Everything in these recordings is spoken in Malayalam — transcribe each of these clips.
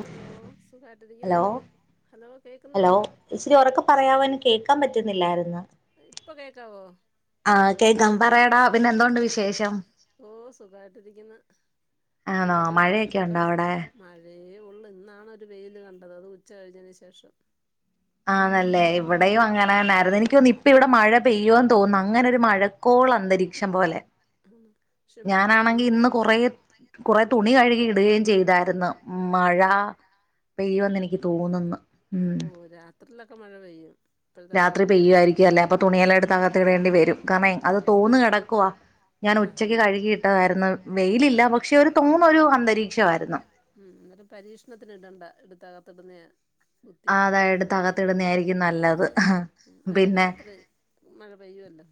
ഹലോ സുഖയിട്ട് ഹലോ രിക്കുന്നോ ഹലോ ഇച്ചരി ഉറക്കെ പറയാവോ കേക്കാൻ പറ്റുന്നില്ലായിരുന്നു ഇപ്പൊ കേക്കാവോ ആഹ് കേക്കാം പറയടാ പിന്നെ എന്തോണ്ട് വിശേഷം ഓ സുഖായിട്ട് ഇരിക്കുന്നു ആണോ മഴയൊക്കെ ഉണ്ടോ അവിടെ ഴെ ഒള്ളു ഇന്നാണ് ഒര് വെയില് കണ്ടത് അത് ഉച്ച കഴിഞ്ഞതിന് ശേഷം ആണല്ലേ ഇവിടെയും അങ്ങനെന്നായിരുന്നു എനിക്ക് തോന്നു ഇപ്പ ഇവിടെ മഴ പെയ്യോന്ന് തോന്നുന്നു അങ്ങനെരു മഴക്കോ ൾ അന്തരീക്ഷം പോലെ ഉം. പക്ഷെ ഞാനാണെങ്കിൽ മഴയില്ലെങ്കി ഇന്ന് കുറെ കുറെ തുണി കഴുകി ഇടുകയും ചെയ്തായിരുന്നു മഴ പെയോ ന്ന് എനിക്ക് തോന്നുന്ന് ഓ രാത്രിയിലൊക്കെ മഴ പെയ്യും ഇപ്പോഴത്തെ രാത്രി ക്ലൈമറ്റ് അങ്ങനെയല്ലേ പെയ്യായിരിക്കും അല്ലേ അപ്പൊ തുണിയല്ലായിടുത്ത് അകത്തിടേണ്ടി വരും കാരണം അത് ഉം തൂന്ന് കിടക്കുവാ ഞാൻ ആഹാ ഉച്ചക്ക് കഴുകിയിട്ടതാരുന്നു വെയിലില്ല ആഹ് പക്ഷെ തോന്നരു അന്തരീക്ഷമാരുന്നു ഉം ഉം ഒര് പരീക്ഷണത്തിന് ഇടണ്ട ഇടുത്ത് അകത്ത് ഇടുന്നേ അതായിട്ട് തകത്തിടുന്ന ആയിരിക്കും നല്ലത് അല്ലെ പിന്നെ രാത്രി മഴ പെയ്യുവല്ലോ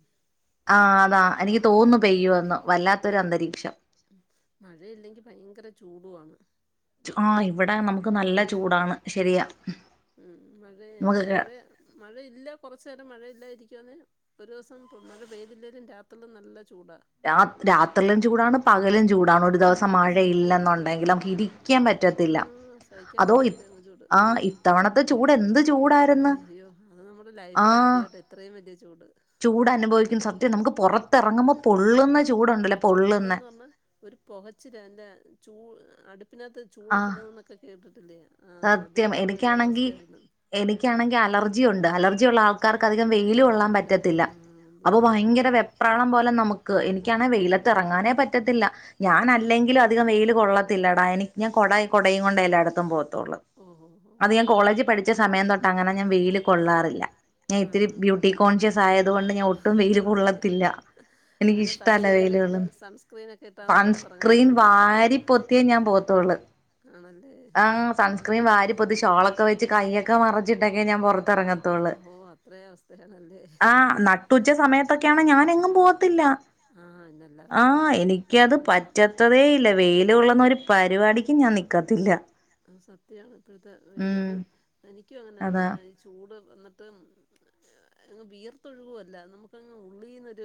ആ അതാ എനിക്ക് തോന്നു പെയ്യോന്ന് വല്ലാത്തൊരു അന്തരീക്ഷം മഴയില്ലെങ്കി ഭയങ്കര ചൂടുവാണ് ആ ഇവിടെ നമുക്ക് നല്ല ചൂടാണ് ശരിയാ ഉം മഴ നമുക്ക് മഴ മഴയില്ല കൊറച്ചു നേരം മഴയില്ലായിരിക്കുവന്ന് ഒരു ദിവസം തന്ന വേയി ല്ലേലും രാത്രി നല്ല ചൂടാ രാ രാത്രിയിലും ചൂടാണ് പകലും ചൂടാണ് ഒരു ഉം ദിവസം സത്യവാ മഴയില്ലെന്നുണ്ടെങ്കിൽ നമുക്ക് ഇരിക്കാൻ പ റ്റത്തില്ല ആഹ് സഹിക്കാൻ പറ്റാത്ത എങ്ങ് ചൂട് ചൂട് എന്ത് ചൂടായിരുന്നു അയ്യോ അത് നമ്മുടെ ആ ലൈഫിൽ ആദ്യമായിട്ട് എത്രയും വലിയ ചൂട് ചൂട് അനുഭവിക്കുന്ന സത്യം നമുക്ക് പുറത്തിറങ്ങുമ്പോൾ പൊള്ളുന്നചു ചൂടന്ന് പറഞ്ഞാ ഒരു പൊകച്ചില ലെ ചൂ അടു പ്പിന്നകത്ത് ആ ചൂളക്കിടന്നൊക്കെ കേട്ടിട്ടില്ല സത്യം എനിക്കാണെങ്കിൽ എനിക്കാണെങ്കിൽ അലർജിയും ഉണ്ട് അലർജി ഉള്ള ആ ൾക്കാർക്കധികം ആ വെയില ഭയങ്കര കൊള്ളാൻ ബുദ്ധി പറ്റത്തില്ല ആ അപ്പൊ ബുദ്ധിമുട്ടാ ഭയങ്കര വെപ്രാളം പോലെ നമുക്ക് എനിക്ക് ഉം വെയിലത്തിറങ്ങാനേ പറ്റത്തില്ല ഞാന ല്ലെങ്കില അധികം വെയി കൊള്ളത്തില്ലടാ എനിക്ക് ഞാൻ കൊട കുടയും കൊണ്ട എല്ലാടത്തും പോവും ഓ ഓ ഓ അത് ഞാൻ കോളേജ് പഠിച്ച സമയം തൊട്ട് അങ്ങനെ ഞാൻ വെയില് കൊള്ളാറില്ല ഞാൻ ആ ഇത്തിരി ബ്യൂട്ടി കോൺഷ്യസ് ആയത് കൊണ്ട് ഞാൻ ഒട്ടും വെയിൽ കൊള്ളത്തില്ല അങ്ങനെ എനിക്ക്ഷ്ടമല്ല സൺസ്ക്രീനൊക്കെ വെയിലുകളും സൺസ്ക്രീനൊക്കെ ഇട്ടാണോ പുറത്തിറങ്ങുന്നെ സൺസ്ക്രീൻ വാരി പൊത്തിയ ഞാൻ പോവത്തൊള്ളു ആണല്ലേ ആഹ് സൺസ്ക്രീൻ വാരിപ്പൊത്തി ഷോളൊക്കെ വെച്ച് കയ്യൊക്കെ മറിച്ചിട്ടൊക്കെ ഞാൻ പുറത്തിറങ്ങത്തെ ഓ അത്രേ അവസ്ഥയാണല്ലേ ള്ളുആ നട്ടുച്ച സമയത്തൊക്കെയാണ് ഞാനും എങ്ങും പോകത്തില്ല ആഹ് ആ എന്നല്ലാണ്ട് എനിക്കത് പിന്നെ പറ്റത്തതേ ഇല്ല വെയില് കൊള്ളുന്ന ഒരു പരിപാടിക്ക് ഞാൻ നിക്കത്തില്ല സത്യാണ് ഇപ്പോഴത്തെ ഉം അത് എനിക്കും എങ്ങനെയാണ് അതാ ചൂട് വന്ന ങ്ങ് വിയർത്തൊഴുകുവല്ല നമുക്കങ്ങ് ഉള്ളീന്നൊരു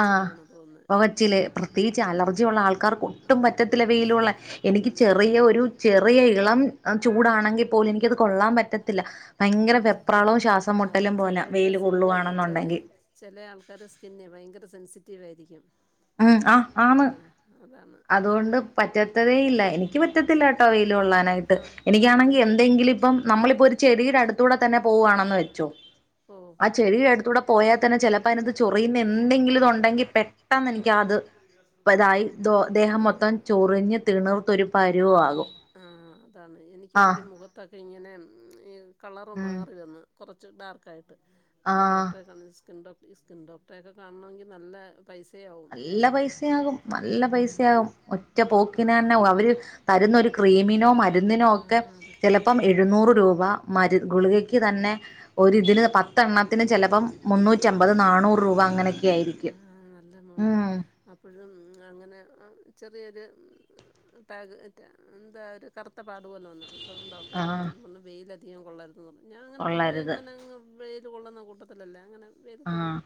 ആഹ് പൊകച്ചില് പ്രത്യേകിച്ച് അലർജി ഉള്ള ആൾക്കാർക്ക് ഒട്ടും ആഹ് പറ്റത്തില്ല വെയിൽ കൊള്ളാൻ എനിക്ക് ചെറിയ ഒരു ചെറിയ ഇളം ചൂടാണെങ്കിൽ പോലും എനിക്കത് കൊള്ളാൻ പറ്റത്തില്ല ഭയങ്കര വെപ്രാളവും ശ്വാസം ആ അത് മുട്ടലും പോലെ ചിലവരുടെ വെയില് സിന്ന് ചില കൊള്ളുവാണെന്നുണ്ടെങ്കിൽ ചില ആൾക്കാർ സ്കിന്ന് ഭയങ്കര സെൻസിറ്റീവ് ആയിരിക്കും ഉആ് ആന്ന് ആഹ് അതാണ് അതുകൊണ്ട് പ റ്റത്തേയില്ല എനിക്ക് പറ്റത്തില്ല ആ ലൊള്ളാനായിട്ട് എിക്കാണെങ്കിൽ പണ്ട് എന്തെങ്കിലും ഇപ്പം നമ്മളിപ്പോ ഒരു ചെടിയുടെ അടുത്തൂടെ തന്നെ ഓ പോവാണെന്ന് വെച്ചോ ആഹ് ആ ചെടിയുടെ അടുത്തൂടെ [unintelligible] പോയാൽ തന്നെ ചിലപ്പം അതിനകത് ചൊറിയുന്ന എന്തെങ്കിലും ഇതു ഉണ്ടെങ്കിൽ പെട്ടെന്ന് എനിക്ക് അത് ഇതായി ദോ ദേഹം മൊത്തം ചൊറിഞ്ഞ് തിണിർത്ത് ഒരു പരിവാകും ആഹ് അതാണ് എനിക്ക് ഇരിക്കും മുഖത്തൊക്കെ ഇങ്ങനെ ഈ കളറ് ഉം മാറി വന്ന് കുറച്ച് ഡാർക്കായിട്ട് അപ്പോൾ ആഹ് ഡോക്ടറെ കാണിച്ച് സ്കിൻ ഡോക്ട ഈ സ്കിൻ ഡോക്ടറെയൊക്കെ കാണണമെങ്കിൽ നല്ല പൈസയാവും നല്ല പൈസയാകും നല്ല ഉം പൈസയാകും ഒറ്റ പോക്കിന് അപ് തന്നെ അവര് തരുന്നൊരു ക്രീമിനോ മരുന്നിനോ ഒക്കെ ആഹ് അതൊക്കെ ചിലപ്പം ഭയങ്കര എഴുന്നൂറ് റേറ്റാ രൂപ മരു ഗുളികക്ക് തന്നെ ഒരു ഇതിന് പത്തെണ്ണത്തിന് ചിലപ്പം മുന്നൂറ്റി അമ്പത് നാനൂറ് രൂപ അങ്ങനെയൊക്കെ ഒക്കെ ആയിരിക്കും ഉം അപ്പഴും അങ്ങനെ ആ ചെ ചെറിയൊരു [unintelligible] എന്താ ഒരു കറുത്ത പാടു പോലെവന്ന് അപ്പം ഡോക്ടറെ ആഹ് കാണിച്ചപ്പം പറഞ്ഞ് വെയില് അധികം കൊള്ളരുതെന്ന് ഞാൻ അങ്ങനെ പൊതുവെ കൊള്ളരുത് അങ്ങനെങ്ങ് വെയിൽ കൊള്ളുന്ന കൂട്ടത്തിലല്ലാം അങ്ങനെ വെയിലത്തൊന്നും ആഹ്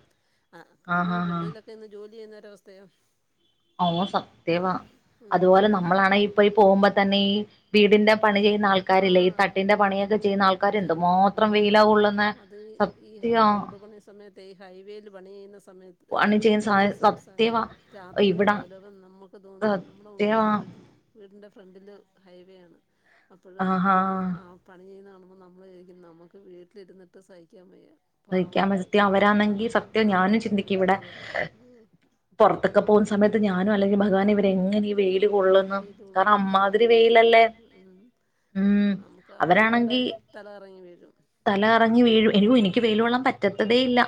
ആ ആഹ് കിടണക്കാണെങ്കി ആഹ് ആഹ് വെളിയിലൊകൊന്ന് ജോലി ചെയുന്നൊരവസ്ഥയും ഓ സത്യവാ അതുപോലെ നമ്മളങ്ങനെ നമ്മളാണെകി ഇപ്പോ ഈ പോകുമ്പോ തന്നെ ഈ വീടിന്റെ പണി ചെയ്യുന്ന ആൾക്കാരില്ലെ ഈ ആഹ് തട്ടിന്റെ പണിയൊക്കെ ചെയ്യുന്ന ആൾക്കാര് ചെയ്യുന്നത് എന്തുമാത്രം കാണാം. വെയിലാ കൊള്ളുന്നെ അത് ഈ സത്യവാ റോഡ് പണി സമയത്ത് ഈ ഹൈവേയിൽ പണി ചെയ്യുന്ന സ് സമയത്ത് പണി ഹൈവേയിൽ ചെയ്യുന്ന സാ പണിചെയ്യുന്ന സ സത്യവാ [unintelligible] രാത്രിയും ഇവിടാ പകലും നമുക്ക് തോന്നും നമ്മളുടെ സത്യവാ വീടിന്റെ ഫ്രണ്ടില് ഹൈവേ ആണ് അപ്പോഴും ആഹാ ആ പണി ചെയ്യുന്ന കാണുമ്പം നമ്മൾ വിചാരിക്കും നമുക്ക് വീട്ടിലിരുന്നിട്ട് സഹിക്കാൻ വയ്യ സഹിക്കാ പാവങ്ങൾ പറ്റ്യാ അവരാണെങ്കി സത്യം ആ ഞാനും ചിന്തിക്കും രാത്രിയും ഇവിടെ പകലും പുറത്തൊക്കെ പോകുന്ന സമയത്ത് ഞാനും അല്ലെങ്കിൽ ഭഗവനെ ഇവര് എങ്ങനെ ഈ വെയിൽ കൊള്ളുന്ന് വെയില് കാരണം കൊള്ളുന്ന നമ്മ അമ്മാതിരി വെയിലല്ലേ ഉം ഉം നമുക്ക് ആ വെയില് കൊണ്ടാ അവരാണെങ്കി തല കറങ്ങി വീഴും തല കറങ്ങി വീഴും എനിക്കും എനിക്ക് വെയില് കൊള്ളാൻ പറ്റത്തതേ ഇല്ല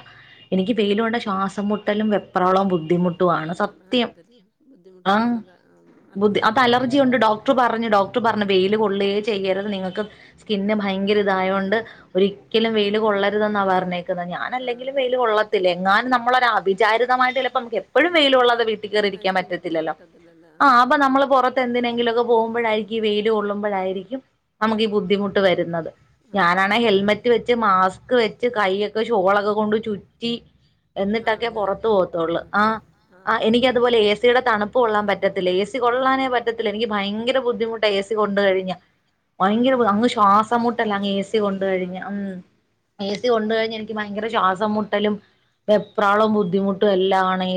എനിക്ക് ഉം വെയിൽ കൊണ്ടാ ശ്വാസം മുട്ടലും എത്രോളം ഓ ബുദ്ധിമുട്ടുവാണ് അതാണ് സത്യം എന്തേലും ബുദ്ധിമുട്ട് ആഹ് എന്തെങ്കിലും [unintelligible] ബുദ്ധി അത് അലർജി കൊണ്ട് ഡോക്ടർ പറഞ്ഞു ഡോക്ടർ പറഞ്ഞ് വെയില് കൊള്ളോചെയ്യരുത് നിങ്ങൾക്ക് സ്കിന്ന് ഭയങ്കര ഇതായോണ്ട് ഒരിക്കലും വെയില് കൊള്ളരുതെന്നാ പറഞ്ഞേ [unintelligible] ഞാന് അല്ലെങ്കിലും ആഹ് വെയില് കൊള്ളത്തില്ല എങ്ങാനും നമ്മളൊര അവിചാരിതമായിട്ട് ചിലപ്പോ നമുക്ക് എപ്പോഴും വെയില്കൊള്ളാതെ വീട്ടിൽ കേറി [unintelligible] പറ്റത്തില്ല ആയിരിക്കും ല്ലൊ പറ്റത്തില്ലല്ലേ ആ ആഹ് അപ്പൊ ആഹ് നമ്മള് പുറത്ത് എന്തിനെങ്കിലുമൊക്കെ പോകുമ്പഴായിരിക്കും ഈ വെയില് കൊള്ളുമ്പഴായിരിക്കും നമുക്ക് ഈ ബുദ്ധിമുട്ട് വരുന്നത് ഞാനാണെ ആഹ് ഹെൽമറ്റ് വെച്ച് മാസ്ക് വെച്ച് കൈ ഒക്കെ ഷോളൊക്കെ കൊണ്ട് ചുറ്റി ആഹ് എന്നിട്ടൊക്കെ അങ്ങനെയാ പുറത്തു പോകത്തൊള്ളു പോന്ന് ആ ആ ആഹ് എനിക്ക് അത് അതുപോലെ ഏ സിയുടെ തണുപ്പ് കൊള്ളാൻ പറ്റത്തില്ല ഏസി കൊള്ളാനേ പറ്റത്തില്ല എനിക്ക് ഭയങ്കര ബുദ്ധിമുട്ടാ ഏസി കൊണ്ട് കഴിഞ്ഞാ ഭയങ്കര ആഹ് ശ്വാ അങ്ങ് ശ്വാസം ആഹ് മുട്ടലാ അങ്ങ് ശ്വാസം ഏസി മുട്ട് കൊണ്ട് വന്ന് ആഹ് കഴിഞ്ഞാ ഉം ഏസി കൊണ്ട് കഴിഞ്ഞാ എനിക്ക് ഭയങ്കര ശ്വാസം മുട്ടലും വെപ്രാളും ബുദ്ധിമുട്ടും എല്ലാം ആണേ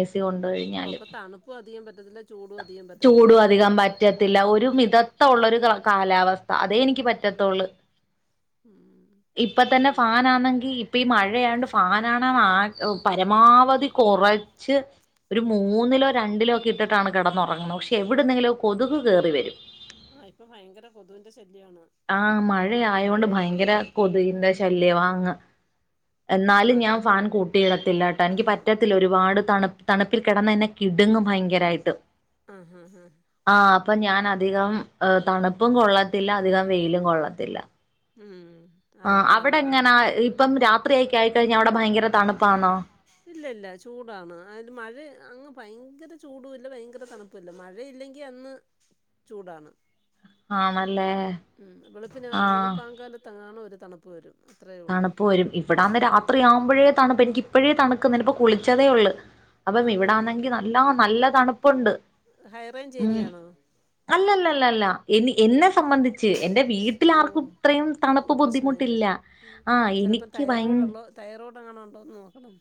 അപ്പൊ തണുപ്പും അധികം പറ്റത്തില്ല ചൂടും അധികം പറ്റത്തില്ല ചൂടും ആ അധികം പറ്റത്തില്ല ആ ഒരു മിതത്വം ഉള്ള ഒരു കാലാവസ്ഥ അതെ എനിക്ക് പറ്റത്തൊള്ളു ഉം ഇപ്പം ഇപ്പതന്നെ നമ്മ ഫാനാണെങ്കി ഇപ്പം ഈ മഴയാണ്ട് ഫാനാണെ ആ പരമാവധി കുറച്ച് ഒരു മൂന്നിലോ രണ്ടിലോ ഒക്കെ ഇട്ടിട്ട് ന്നാണ് കിടന്നുറങ്ങുന്നത് പക്ഷെ എവിട്നെങ്കിലും കൊതുക് കേയറി വരും ആ ഇപ്പൊ ഭയങ്കര കൊതുവിന്റെ ഷ ആ മഴ ആയോണ്ട് ഭയങ്കര മഴയായതുകൊണ്ട് ഉം. കൊതുകിന്റെ ശല്യവാ അങ്ങ് എന്നാലും ഞാൻ മഴയത്ത് ഫാൻ കൂട്ടിയിടത്തില്ല ട്ടോ എനിക്ക് പറ്റത്തില്ല ഒരുപാട് തണുപ്പ് തണുപ്പിൽ കിടന്നാ എന്നെ കിടുങ്ങും ഭയങ്കരായിട്ട് അ ഹാ ഹാ പ്പൊ ഞാൻ അധികം തണുപ്പും കൊള്ളത്തില്ല അധികം വെയിലും കൊള്ളത്തില്ല. ഉം. ആ അതാ അവിടെ നല്ലത് എങ്ങനാ ഇപ്പം രാത്രി ആയിക്കഴി [unintelligible] അവിടെ ഭയങ്കര തണുപ്പാണോ? ഇല്ല ഇല്ല ചൂടാന്ന് ആയത് മഴ അങ്ങ് ഭയങ്കര ചൂടു ഇല്ല ഭയങ്കര തണുപ്പല്ല മഴേ ഇല്ലെങ്കിൽ അന്ന് ചൂടാണ്. ആണല്ലേ ഉം വെളുപ്പിന് ആഹ് വെളുപ്പാങ്കാലത്താണ് ഒരു തണുപ്പ് വരും. അത്രയേ ഉള്ളൂ തണുപ്പ് വരും ഇവിടാന്ന് രാത്രി ആവുമ്പോഴേ തണുപ്പ് എനിക്ക് ഇപ്പഴേ തണുക്ക്ണ് നിപ്പോ കുളിച്ചതേ ള്ള്. അപ്പം ആന്ന് ഇവിടാന്നെങ്കി നല്ലാ നല്ലതണുപ് പ്പുണ്ട് ഹൈറേഞ്ച് ഉം ഏരിയയാണോ അല്ലല്ലല്ലല്ല. എനി അല്ല എന്നെ സംബന്ധിച്ച് എൻന്റെ വീട്ടിൽ ഓ ആർക്കും ഇത്രയും തണുപ്പ് ബുദ്ധിമുട്ടില്ല. ആഹ് ചിലപ്പോം എനിക്ക് ഭയ തൈറോയ്ഡ് ഉള്ളോ തൈറോയ്ഡ് എങ്ങന ഉണ്ടോന്ന് നോക്കണം.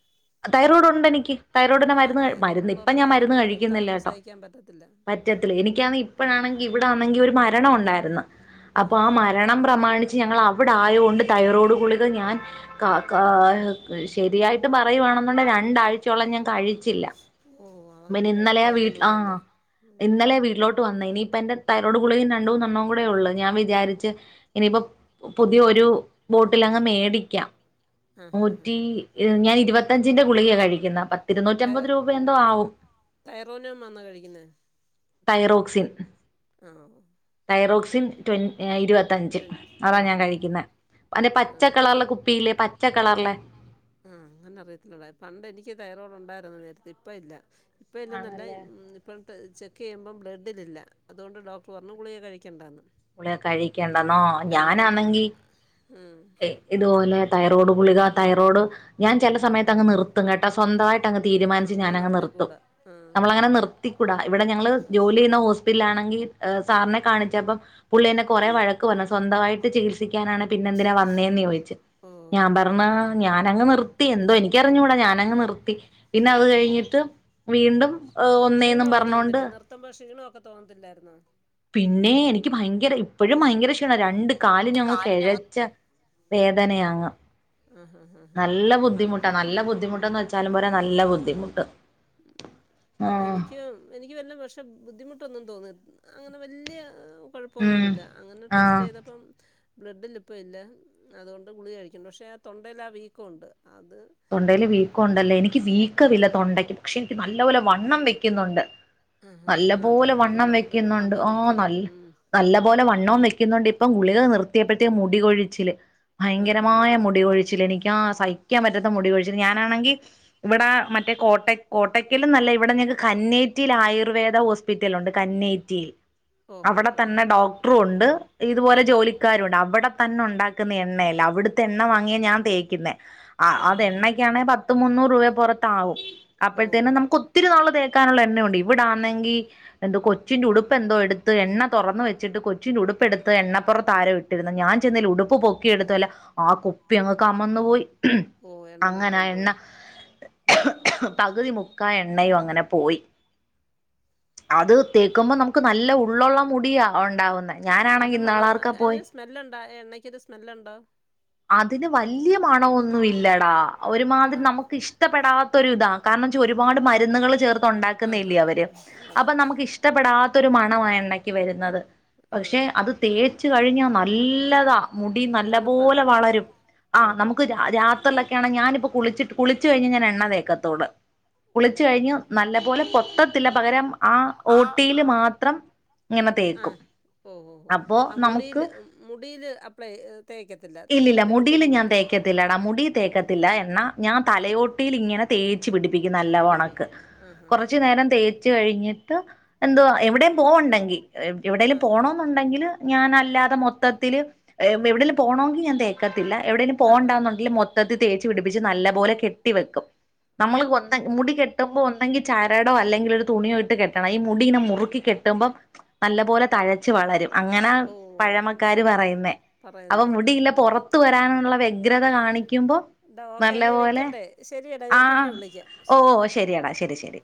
തൈറോയ്ഡ് ഉണ്ട് എനിക്ക് തൈറോയ്ഡ് ഉണ്ടെനിക്ക് തൈറോയിഡിനെ ആ മരുന്ന് തൈറോയ്ഡ് മരുന്ന് ഇപ്പ ഉള്ളവർക്ക് ഞാൻ മരുന്ന് തണുക്ക് കഴിക്കുന്നില്ല തണുപ്പ് കെട്ടോ സഹിക്കാൻ പറ്റത്തില്ല മറ്റെ - - എത്തില് എനികാണങ്കി ഇപ്പഴാണെങ്കിൽ ഇവിടാണെങ്കിൽ ഒരു മരണം ഉണ്ടായിരുന്നു അപ്പൊ ആ മരണം പ്രമാണിച്ച് ഞങ്ങൾ അവിടെ ആയോണ്ട് തൈറോഡ് ഗുളിക ഞാൻ കാ കാ ശരിയായിട്ട് പറയുയാണെന്നുണ്ട രണ്ടാഴ്ചോളം ഞാൻ കഴിച്ചില്ല. ഓ അതങ്ങനെ മിനി ന്നലെ വീട്ട് ആഹ കഴിക്കാതിരുന്നൂടല്ലേ ഉം ഇന്നലെ വീട്ടിലോട്ട് വന്ന ഇനി ഇപ്പ എന്റെ തയ്രോട് ഗുളിക രണ്ടൂ നണ്ണേ കൂടെ ഉള്ളൂ ഞാൻ വിചാരിച്ച് ഇനിയിപ്പൊ പുതിയ ഒരു ബോട്ടിലങ്ങ് മേടിക്കാം ആ ഹാ ഹാ നൂറ്റി [unintelligible] ഇരുപത്തഞ്ചിന്റെ ഗുളികെ കഴിക്കുന്നെ പത്തിരുന്നൂറ്റമ്പത് രൂപ എന്തോ ആവും [unintelligible] തൈറോക്സിൻ. ആഹ്. തൈറോക്സിൻ റ്റൊൻ ഇരുപത്തഞ്ച് ട്വൻ്റി അതാ ആഹ് ഞാൻ ആഹ് കഴിക്കുന്നേ. അന്റെ പച്ച ആഹ് കളറില കുപ്പില്ലേ പച്ച കളറിലെ. ആഹ് ഞാനഅറിയത്തിലട പണ്ട് എനിക്ക് തയറോടു ഉണ്ടായിരുന്നു നേരത്തെ ഇപ്പ ഇല്ല. ഇപ്പ എല്ലാം നല്ല ആണല്ലേ ഇപ്പഴ്ത്തെ ചെ ക്ക്യ്യുമ്പം ബ്ളഡിലില്ല അതുകൊണ്ട് ടോക്ടർ പറഞ്ഞു കുളിക കഴിക്കണ്ടാന്ന്. ഉള കഴിക്കണ്ടെന്നോ കഴിയുന്ന ഞാനാണെങ്കി ഉം ഇതുപോലെ തൈറോഡ് ഗുളിക തൈറോഡ് ഞാൻ ചില സമയത്ത് അങ് നിർത്തും കേട്ട സ്വന്തമായിട്ട് ങ് തീരുമാിച്ച് ഞാൻ അങ്ങനെ അങ്ങ് നിർത്തും നിർത്തിക്കൂടാ ആഹ് നമ്മൾ അങ്ങനെ നിർത്തിക്കൂട ഇവിടെ ഞങ്ങള്ൾ ജോലി ചെയ്യുന്ന ഹോസ് പ്പിലാണെങ്കിസാറിനെ കാണിച്ചപ്പം പുള്ളി എന്നെ കൊറെേ വഴക്ക് പറഞ്ഞു. സ്വന്തമായിട്ട് ചികിത്സിക്കാനാണെങ്കി പിന്നെന്തിനാ വന്നേന്ന് ചോദിച്ചു ഞാൻ ഓഹ് പർണ് അതല്ലേ ഞാനങ്ങ് നിർ ത്തി എന്തോ എനിക്കറിഞ്ഞൂടാ ഞാനങ്ങ് നിർത്തി പിന്നെ അത് കഴിഞ്ഞിട്ട് വീണ്ടും ഒന്നേന്നും പറഞ്ഞോണ്ട്. ഒക്കെ തോന്നത്ത്ല്ലായിരുന്നോ? പിന്നെ എനിക്ക് ഭയങ്കര ഇപ്പോഴും ഭയങ്കര ക്ഷിണ രണ്ട് കാലി ഞങ്ങ് കെഴച്ച വേദനയാങ്ങാം. ആഹ് ആഹ് ആഹ് ആഹ് നല്ല അത് ബുദ്ധിമുട്ടാ നല്ല ബുദ്ധിമുട്ടന്ന് വെച്ചാലും പോരെെ നല്ല ബുദ്ധിമുട്ട്. ആഹ് എനിക്ക് എനിക്ക് വര്ന്ന പ്രഷ്ണം ബുദ്ധിമുട്ടൊന്നും തോന്നി അങ്ങനെ വല്യയ ഉം കുഴപ്പഒന്നുല്ല അങ്ങനെ ആഹ് ടെസ്റ്റ് ചെയ്തപ്പം ബ്ലഡില് ഇപ്പം ഇല്ല അതുകൊണ്ട് ഗുളി കഴിക്കണ്ട പക്ഷേ ആ തൊണ്ടയില ആ വീക്കും ഉണ്ട്. തൊണ്ടയില് വീക്കുണ്ടല്ലേ എനിക്ക് വീക്കവില്ല തൊണ്ടയ്ക്ക് പക്ഷെ എനിക്ക് നല്ലപോലെ വണ്ണം വെക്കുന്നുണ്ട്. ആ ഹാ നല്ല ഹാ പോലെ തൈറോയ്ഡ് വണ്ണം ഉള്ളവർക്ക് വെക്കുന്നുണ്ട് വണ്ണം ആ വയ്ക്കും ന ഉം. നല്ല പോലെ വണ്ണംവും വെക്കുന്നുണ്ട് ഇ ഇപ്പം ഗുളിക നിർത്തിയപ്പോഴത്തേക്ക് മുടികൊഴിച്ചില് ആ ഹാ ഭയങ്കരമായ ഹാ മുടികഴിച്ചിൽ എനിക്ക്പ്പം. ഞാസഹിക്കാൻ പറ്റ ത്ത മുടികൊഴിച്ചിൽ ഞാനാണെങ്കിൽ ഇവിടെ മറ്റേ കോട്ടക്കകോട്ടക്കല് ന്നല്ല ഇവിടെഞങ്ങക്ക് കന്നേറ്റിലാ ആയുർവേദ ഹോസ്പിറ്റലുണ്ട് കന്നേറ്റിയിൽ ഓ ഹോ അവിടെ ഹോ ഹോ തന്നെ ഡോക്ടറും ഉണ്ട് ആ ഇതുപോലെ ഹാ ജോലിക്കാരുണ്ട് അവിടെ തന്നെ ഉണ്ടാക്കുന്ന എണ്ണയല്ലെ, അവിടുത്തെ എണ്ണ വാങ്ങിയ ഞാൻ തേക്കുന്നേ ആ അത് ഹാ ഹാ എണ്ണക്കാണേ പത് മുന്നൂറ് രൂപേ പുറത്താവും. ഓ അപ്പോഴത്തേനും നമുക്ക് ഒത്തിരി നാള് തേ ക്കാനുള്ള എണ്ണയുണ്ട്. ഇവിടാന്നെങ്കി, എന്തോ കൊച്ചിന്റെ ഉടുപ്പ് എന്തോ എടുത്ത് എണ്ണ തുറന്ന് വച്ചിട്ട് കൊച്ചിന്റെ ഉടു പ്പ് എടുത്ത് എണ്ണപ്പുറത്താരോ ഇട്ടിരുന്നു. ഞാൻ ചെന്ന ഉടുപ്പ് പൊക്കിയെടുത്തല്ല ആ കുപ്പി അങ്ങ് കമന്ന് പോയി ഓ എണ്ണ അങ്ങനാ മൊത്തം എണ്ണ പോയി ഉം. പകുതി മു ക്കാ എണ്ണയും അങ്ങനെ പോയി. അത് തേക്കുമ്പോ നമുക്ക് നല്ല ഉള്ളുള്ള മുടിയാ ഒണ്ടാവുന്നെ ഞാനാണെങ്കിൽ, ഇന്നാളാർക്കെ പോയി ആ എണ്ണക്കൊക്കെ സ്മെല്ലുണ്ടോ അതിന് വല്യ മണവൊന്നും ഇല്ലടാ.. ആ ഒരുമാതിരി നമുക്ക് ഇഷ്ടപ്പെടാ ത്തൊരിതാ കാരണം ന്തവെച്ച ഒരുപാട് മരുന്നുകൾ ചേർത്ത് ആ ഹാ ഉണ്ടാക്കുന്നല്ലേ ഹാ അവര്. ഹാ അപ്പൊ അതാ നമുക്ക് ഇഷ്ടപ്പെടാത്ത ത്തൊരു മണവാ ആ എണ്ണക്ക് വരുന്നത് ആഹ് പക്ഷെ, അത് തേച്ച് കഴിഞ്ഞാ നല്ലതാ മുടി നല്ല തണുപ്പാ പോലെ വളരും. ആ ഓഹോ നമുക്ക് ഹോ രാത്രിയിലൊക്കെയ ഞാനിപ്പൊ കുളിച്ചിട്ട കുളിച്ചുകഴിഞ്ഞു ഞാനെണ്ണ തേക്കത്തോളൂ. ഓ കുളിച്ച കഴിഞ്ഞ് നല്ല പോലെ പൊത്തത്തില്ല, പകരം ആ ഓട്ടിയില് മാത്രം ഇങ്ങനെ തേക്കും ആഹ ഓഹോ ഹോ അപ്പോ ആ നമുക്ക് മുടിയില് മുടിയില് അപ്ലൈ തേക്കത്തി ഇല്ലല്ല മുടീല് ഞാൻ തേക്കത്തില്ലടാ മുടി തേക്കത്തില്ല എണ്ണ. ഞാൻ ആ തലയോട്ടിയിൽ ഇങ്ങനെ തേ ച്ചുപിടിപ്പിക്കും നല്ല കണക്ക്. പിടിപ്പിക്കും ആഹ് ആഹ് കുറച്ചു നേരം തേച്ച് കഴിഞ്ഞി ട്ട് എന്തുവ എവിടെയും പോ വെണ്ടെങ്കിൽ എവിടെേലും പോണ വെന്നുണ്ടെങ്കിൽ ഞാൻല്ലാതെ മൊത്തത്തിൽ എവിടേലും പോണമെങ്കിൽ ഞാൻ തേക്കത്തില്ല, എവിടേലും ആഹ് ആഹ് പോണ്ടന്നുണ്ടെങ്കിൽ മൊത്തത്തിൽ തേ പിടിപ്പിച്ച് നല്ല പോലെ കെട്ടി വെക്കും. ആഹ് നമ്മൾ ആഹ് മുടി കെട്ടുമ്പോ ഒന്നെങ്കിൽ ചരടോ അല്ലെങ്കിൽ ഒരു തുണിയോ ഇട്ട് കെട്ടണം. ഈ മുടി ഇങ്ങനെ മുറുക്കി കെട്ടുമ്പോ നല്ല പോല തഴച്ച് വളരും അങ്ങനാ ഓ ആ, പഴമക്കാര് പറയുന്നേ.. അപ്പൊ പറയുന്നത് മുടിയില്ല ആഹ് പുറത്ത വരാനുള്ള വ്യഗ്രത കാണിക്കുമ്പോ, ടാ ഓക്കെ നല്ല എന്നാ പോലെ വെക്കട്ടെ ശരിയടാ ഞാൻ ആഹ് പിന്നെ വിളിക്കാം ഓ ശരി ശരിയടാ ശരി ശരി